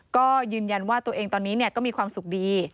ก็ยืนยันว่าตัวเองตอนนี้ก็มีความสุขดี